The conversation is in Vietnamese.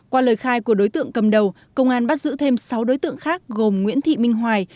qua lời khai của đối tượng cầm đầu công an bắt giữ thêm sáu đối tượng khác gồm nguyễn thị minh hoài